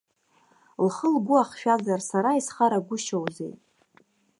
Лхы-лгәы ахшәазар, сара исхарагәышьоузеи!